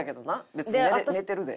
別に寝てるで。